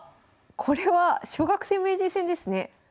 これは小学生名人戦ですね。